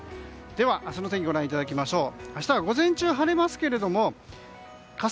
では、明日の天気をご覧いただきましょう。